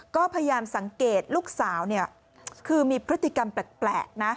ก็พยายามสังเกตลูกสาวคือมีพฤติกรรมแปลกนะ